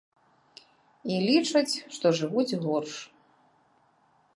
І лічаць, што жывуць горш.